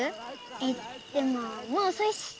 えっでももうおそいし。